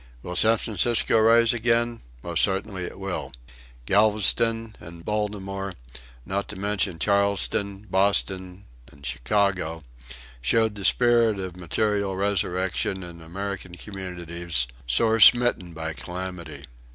Will San Francisco rise again? Most certainly it will. Galveston and Baltimore, not to mention Charleston, Boston and Chicago, showed the spirit of material resurrection in American communities, sore smitten by calamity.